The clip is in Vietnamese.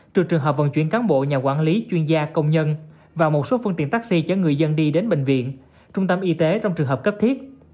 trừ trường hợp vận chuyển cán bộ nhà quản lý chuyên gia công nhân và một số phương tiện taxi chở người dân đi đến bệnh viện trung tâm y tế trong trường hợp cấp thiết